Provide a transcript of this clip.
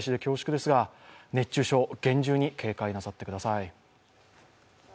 熱中症、厳重に警戒なさってください。